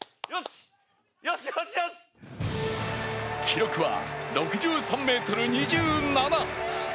記録は６３ｍ２７。